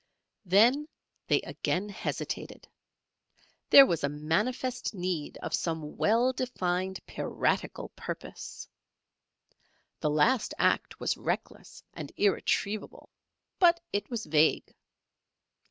Then they again hesitated. There was a manifest need of some well defined piratical purpose. The last act was reckless and irretrievable, but it was vague.